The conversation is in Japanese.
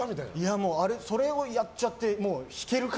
それをやっちゃって弾けるか！